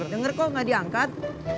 denger kok gak diangkat